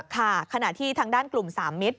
ค่ะขณะที่ทางด้านกลุ่มสามมิตร